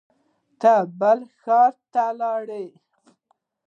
ته بل ښار ته لاړې